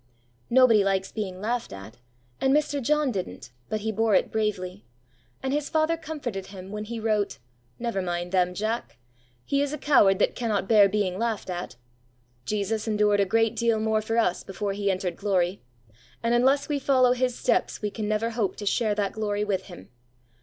Nobody likes being laughed at; and Mr. John didn't, but he bore it bravely; and his father comforted him when he wrote: "Never mind them, Jack; he is a coward that cannot bear being laughed at. Jesus endured a great deal more for us, before He entered glory; and unless we follow His steps we can never hope to share that glory with Him.